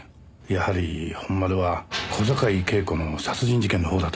やはり本丸は小坂井恵子の殺人事件のほうだと思います。